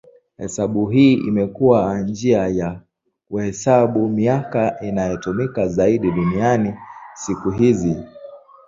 Hesabu hii imekuwa njia ya kuhesabu miaka inayotumika zaidi duniani siku hizi.